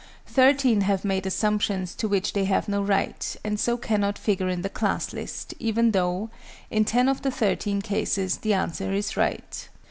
Thirteen have made assumptions to which they have no right, and so cannot figure in the Class list, even though, in 10 of the 13 cases, the answer is right.